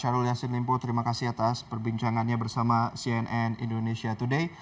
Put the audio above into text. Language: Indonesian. syarul yassin limpo terima kasih atas perbincangannya bersama cnn indonesia today